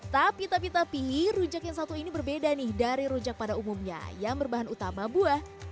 tapi tapi rujak yang satu ini berbeda nih dari rujak pada umumnya yang berbahan utama buah